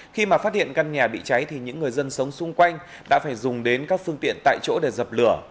khi mà phát hiện căn nhà bị cháy thì những người dân sống xung quanh đã phải dùng đến các phương tiện tại chỗ để dập lửa